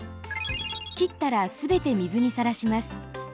切ったらすべて水にさらします。